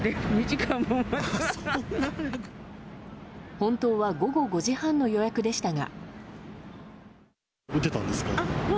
本当は午後５時半の予約でしたが。